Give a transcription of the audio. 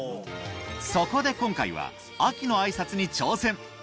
そこで今回は秋の挨拶に挑戦